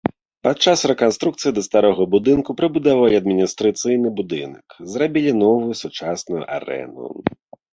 Падчас рэканструкцыі да старога будынку прыбудавалі адміністрацыйны будынак, зрабілі новую сучасную арэну.